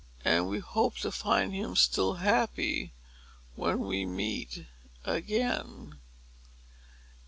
And we hope to find him still happy when we meet again.